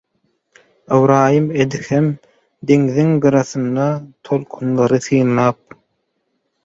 Ybraýym Edhem deňziň gyrasynda tolkunlary synlap